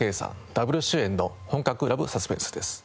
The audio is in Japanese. ダブル主演の本格ラブ・サスペンスです。